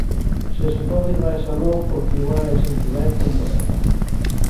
Se se pode ir máis aló, porque igual é simplemente un boneco.